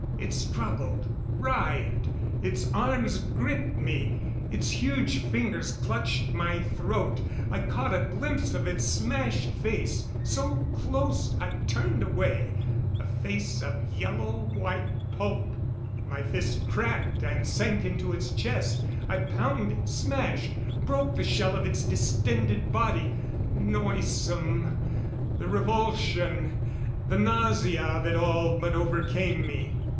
It struggled, writhed ... Its arms gripped me, its huge fingers clutched my throat ... I caught a glimpse of its smashed face ... so close, I turned away ... a face of yellow white pulp ... My fist cracked and sank into its chest. I pounded, smashed; broke the shell of its distended body ... noisome ... the revulsion, the nausea of it all but overcame me.